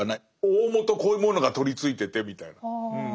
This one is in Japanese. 大本こういうものが取りついててみたいな。